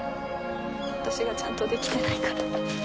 私がちゃんとできてないから。